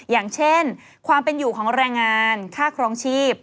อย่างเช่นความเป็นอยู่ของแรงงานค่าครองชีพ